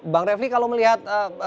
bang refli kalau melihat